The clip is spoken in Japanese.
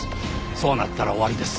そうなったら終わりです。